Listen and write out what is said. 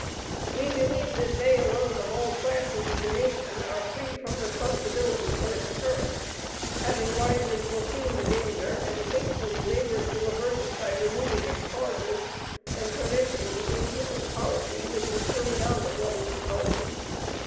We believe that they alone, of all classes of the nation, are free from responsibility for its occurrence, having wisely foreseen the danger, and faithfully labored to avert it by removing its causes, and preventing the inhuman policy which has hurried on the bloody convulsion.